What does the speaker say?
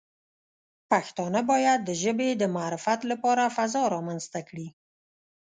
پښتانه باید د ژبې د معرفت لپاره فضا رامنځته کړي.